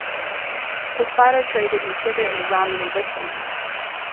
His father traded in sugar and rum in the West Indies.